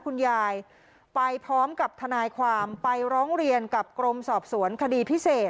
คุณยายไปพร้อมกับทนายความไปร้องเรียนกับกรมสอบสวนคดีพิเศษ